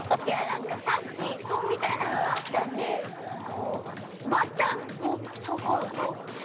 いやなんかさっきふとんみたいなのがあったんでまたそこの。